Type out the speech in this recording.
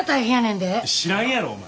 知らんやろお前。